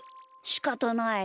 しかたない。